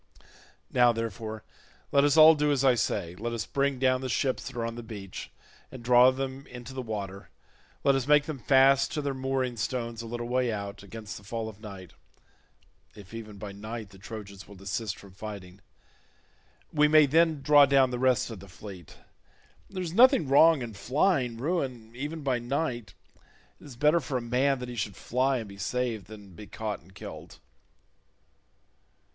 Now, therefore, let us all do as I say; let us bring down the ships that are on the beach and draw them into the water; let us make them fast to their mooring stones a little way out, against the fall of night—if even by night the Trojans will desist from fighting; we may then draw down the rest of the fleet. There is nothing wrong in flying ruin even by night. It is better for a man that he should fly and be saved than be caught and killed."